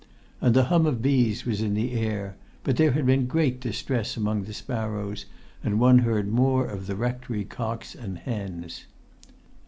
And the hum of bees was in the air; but there had been great distress among the sparrows, and one heard more of the rectory cocks and hens.